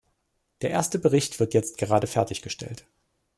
Der erste Bericht wird jetzt gerade fertig gestellt.